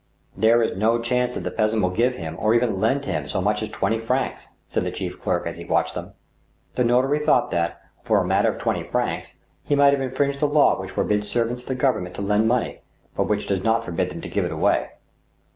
" There is no chance that the peasant will give him, or even lend him, so much as twenty francs," said the chief clerk, as he watched them. The notary thought that, for a matter of twenty francs, he might have infringed the law which forbids servants of the Government to lend money, but which does not forbid them to give it away.